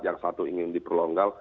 yang satu ingin diperlonggal